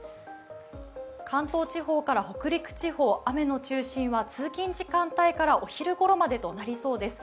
関東地方から北陸地方、雨の中心は通勤時間帯からお昼頃までとなりそうです。